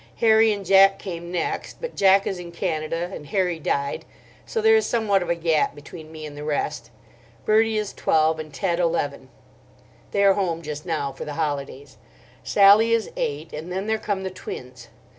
Harry and Jack came next; but Jack is in Canada and Harry died, so there is somewhat of a gap between me and the rest. Bertie is twelve and Ted eleven; they are home just now for the holidays. Sally is eight, and then there come the twins.